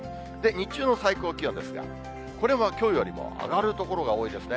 日中の最高気温ですが、これはきょうよりも上がる所が多いですね。